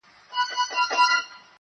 د سکريټو آخيري قطۍ ده پاته.